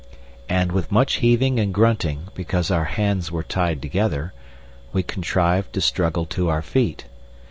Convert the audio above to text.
And with much heaving and grunting, because our hands were tied together, we contrived to struggle to our feet.